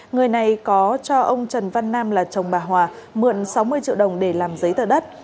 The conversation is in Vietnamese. người này có cho ông trần văn nam là chồng bà hòa mượn sáu mươi triệu đồng để làm giấy tờ đất